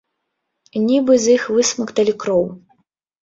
Нібы з іх высмакталі кроў.